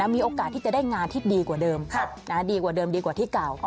มีโอกาสที่จะได้งานที่ดีกว่าเดิมดีกว่าเดิมดีกว่าที่เก่า